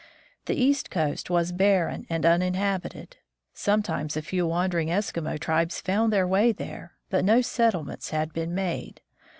The east coast was barren and uninhabited. Some times a few wandering Eskimo tribes found their way there, but no settlements had been made.